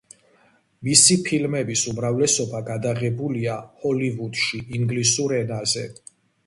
მისი ფილმების უმრავლესობა გადაღებულია ჰოლივუდში ინგლისურ ენაზე.